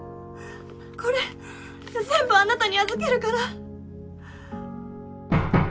これ全部あなたに預けるから。